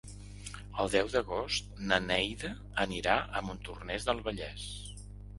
El deu d'agost na Neida anirà a Montornès del Vallès.